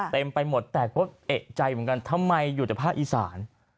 เต็มไปหมดแต่ก็เอกใจเหมือนกันทำไมอยู่แต่ภาคอีสาน